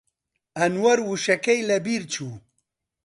ئەنوەر وشەکەی لەبیر چوو.